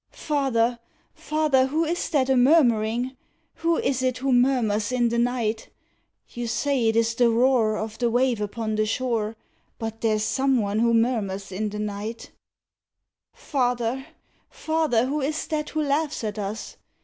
Father, father, who is that a murmuring? Who is it who murmurs in the night? You say it is the roar Of the wave upon the shore, But there's some one who murmurs in the night. Father, father, who is that who laughs at us?